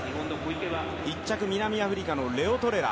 １着は南アフリカのレオトレラ。